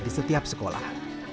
di setiap sekolah